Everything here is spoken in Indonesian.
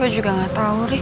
gue juga gak tau deh